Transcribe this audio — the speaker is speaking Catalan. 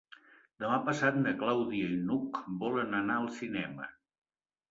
Demà passat na Clàudia i n'Hug volen anar al cinema.